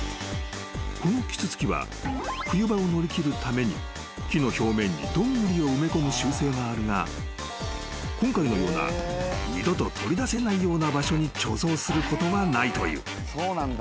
［このキツツキは冬場を乗り切るために木の表面にドングリを埋め込む習性があるが今回のような二度と取り出せないような場所に貯蔵することはないという］